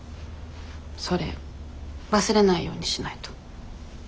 それ忘れないようにしないと。